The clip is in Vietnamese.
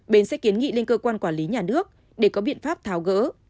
bến sẽ kiến nghị lên cơ quan quản lý nhà nước để có biện pháp tháo gỡ